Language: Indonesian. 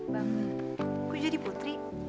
bang gue jadi putri